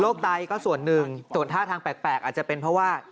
ใดก็ส่วนหนึ่งส่วนท่าทางแปลกอาจจะเป็นเพราะว่า